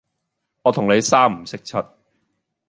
我同你三唔識七